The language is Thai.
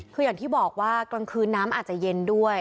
คืออย่างที่บอกว่ากลางคืนน้ำอาจจะเย็นด้วย